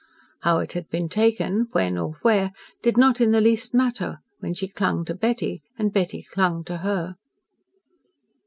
How it had been taken, when or where, did not in the least matter, when she clung to Betty and Betty clung to her.